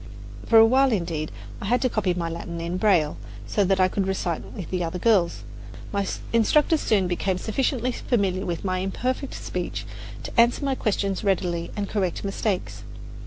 For a while, indeed, I had to copy my Latin in braille, so that I could recite with the other girls. My instructors soon became sufficiently familiar with my imperfect speech to answer my questions readily and correct mistakes.